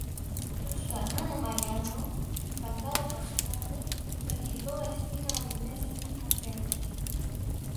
Su hermano Mariano, impactado por su muerte, solicitó destino en ese mismo frente.